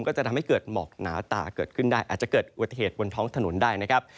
ก็จะทำให้เกิดหมอกหนาตาเกิดขึ้นได้อาจจะเกิดอุบัติเหตุบนท้องถนนได้นะครับ